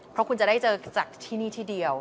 เพราะคุณจะได้เจอจากที่นี่ที่เดียว